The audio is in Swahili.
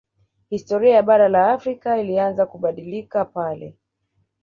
Historia ya bara la Afrika ilianza kubadilika pale